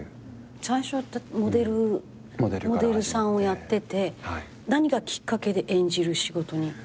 最初はモデルさんをやってて何がきっかけで演じる仕事に？